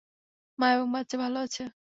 মা এবং বাচ্চা ভালো আছে।